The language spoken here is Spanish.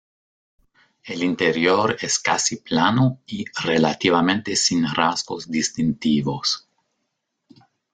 El interior es casi plano y relativamente sin rasgos distintivos.